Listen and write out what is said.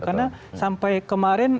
karena sampai kemarin